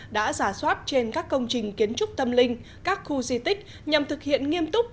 đã giả soát trên các công trình kiến trúc tâm linh các khu di tích nhằm thực hiện nghiêm túc